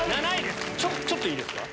ちょっといいですか。